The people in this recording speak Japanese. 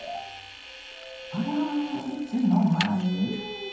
あらいつの間に。